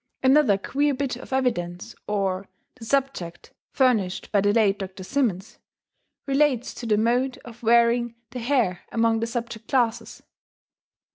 Another queer bit of evidence or, the subject, furnished by the late Dr. Simmons, relates to the mode of wearing the hair among the subject classes.